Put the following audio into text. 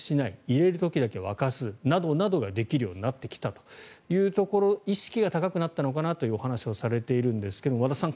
入れる時だけ沸かすなどなどができるようになってきたと意識が高くなったのかなというお話をされていますが和田さん